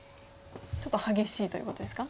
ちょっと激しいということですか？